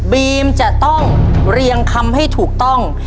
บีมจะต้องเรียงคำให้ถูกต้อง